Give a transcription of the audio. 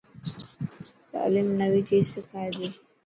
تعليم نوي چيزا سکائي تي.